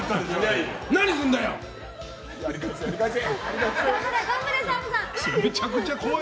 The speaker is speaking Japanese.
やり返せ！